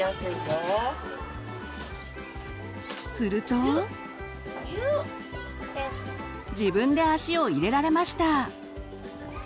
すると自分で足を入れられました。